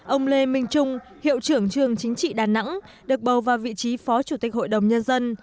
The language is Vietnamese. ông lê minh trung hiệu trưởng trường chính trị đà nẵng được bầu vào vị trí phó chủ tịch hội đồng nhân dân